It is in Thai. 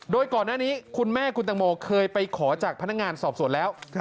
โดยก่อนหน้านี้คุณแม่คุณตังโมเคยไปขอจากพนักงานสอบสวนแล้ว